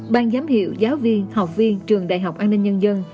ban giám hiệu giáo viên học viên trường đại học an ninh nhân dân